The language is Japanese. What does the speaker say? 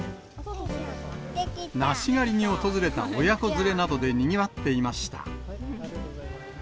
梨狩りに訪れた親子連れなどでにぎわっていました。